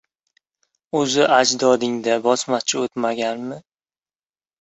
O‘zi, ajdodingda bosmachi o‘tmaganmi?